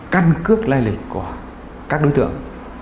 căn cước lai lịch của các đối tượng